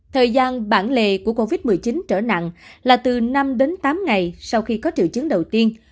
thời gian bản lề của covid một mươi chín trở nặng là từ năm đến tám ngày sau khi có triệu chứng đầu tiên